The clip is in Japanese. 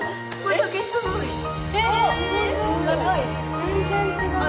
全然違う。